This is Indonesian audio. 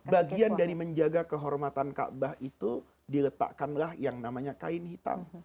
bagian dari menjaga kehormatan kaabah itu diletakkanlah yang namanya kain hitam